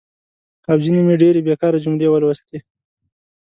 او ځینې مې ډېرې بېکاره جملې ولوستي.